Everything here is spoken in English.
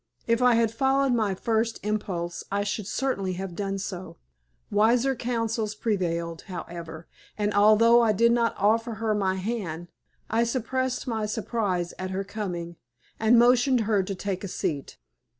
If I had followed my first impulse I should certainly have done so. Wiser counsels prevailed, however, and although I did not offer her my hand, I suppressed my surprise at her coming, and motioned her to take a seat.